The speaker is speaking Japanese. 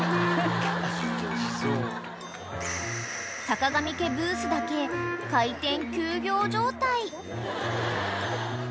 ［坂上家ブースだけ開店休業状態］